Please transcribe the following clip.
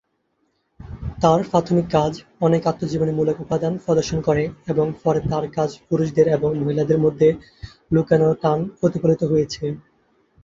তার প্রাথমিক কাজ অনেক আত্মজীবনীমূলক উপাদান প্রদর্শন করে এবং পরে তার কাজ পুরুষদের এবং মহিলাদের মধ্যে লুকানো টান প্রতিফলিত হয়েছে।